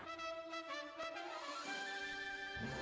mereka bisa diperbanyak